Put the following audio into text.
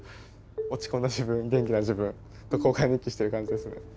落ち込んだ自分元気な自分と交換日記してる感じですね。